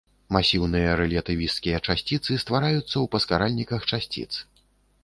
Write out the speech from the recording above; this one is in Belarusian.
Масіўныя рэлятывісцкія часціцы ствараюцца ў паскаральніках часціц.